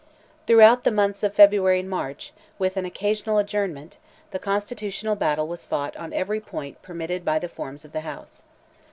Throughout the months of February and March, with an occasional adjournment, the Constitutional battle was fought on every point permitted by the forms of the House.